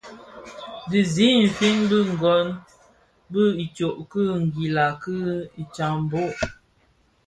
Dhi zi I nfin bi gōn itsok ki nguila zi I tsaboň.